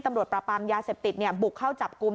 ตำรวจประปำยาเสพติดบุกเข้าจับกุม